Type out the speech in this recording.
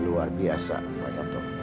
luar biasa pak yaak